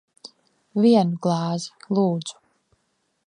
Vienu glāzi. Lūdzu.